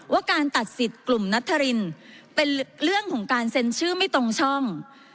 ว่าการตัดสิทธิ์กลุ่มนัทธรินเป็นเรื่องของการเซ็นชื่อไม่ตรงช่อง